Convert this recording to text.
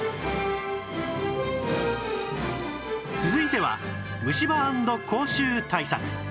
続いては虫歯＆口臭対策